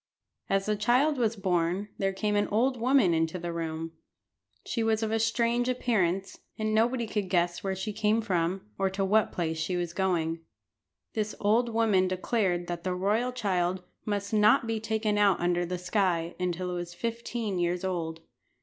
As the child was born there came an old woman into the room. She was of a strange appearance, and nobody could guess where she came from, or to what place she was going. This old woman declared that the royal child must not be taken out under the sky until it was fifteen years old.